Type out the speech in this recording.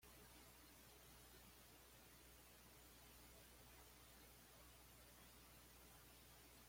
Su superficie la ubica como la de mayor extensión de la provincia de Pataz.